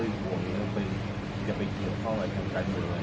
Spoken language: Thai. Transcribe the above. ส่งส่งขัดส่งแต่ในสุดท้ายหนึ่งท่านคงบอกว่ามันยังไม่เฉพาะครับ